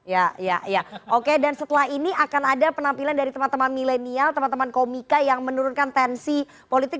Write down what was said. ya iya oke dan setelah ini akan ada penampilan dari teman teman milenial teman teman komika yang menurunkan tensi politik